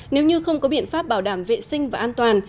nếu như không có biện pháp bảo đảm vệ sinh và an toàn